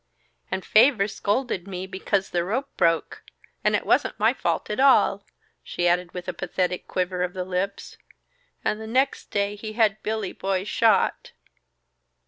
"And Faver scolded me because the rope broke and it wasn't my fault at all!" she added with a pathetic quiver of the lips. "And the next day he had Billy Boy shot."